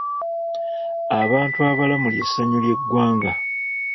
Abantu abalamu ly'essanyu ly'eggwanga.